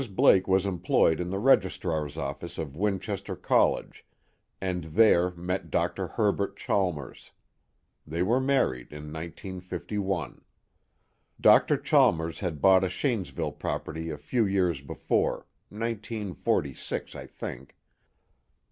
Blake was employed in the Registrar's office of Winchester College, and there met Dr. Herbert Chalmers; they were married in 1951. Dr. Chalmers had bought a Shanesville property a few years before 1946, I think.